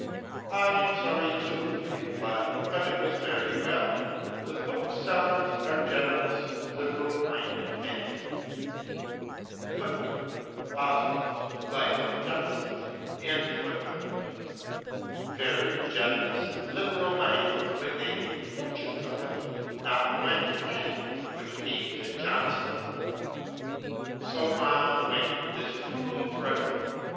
" I am sorry too," he replied. " But it was very well. The booksellers are generous, liberal minded men." * Very generous and liberal minded — when they made fortunes out of it, not one penny of which came to Johnson 1 So on went this cruel drudgery.